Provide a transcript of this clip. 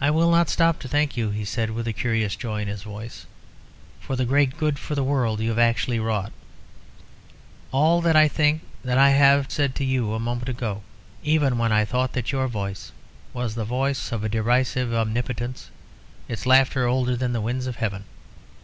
"I will not stop to thank you," he said, with a curious joy in his voice, "for the great good for the world you have actually wrought. All that I think of that I have said to you a moment ago, even when I thought that your voice was the voice of a derisive omnipotence, its laughter older than the winds of heaven.